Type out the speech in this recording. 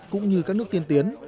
cũng như các nước tiên tiến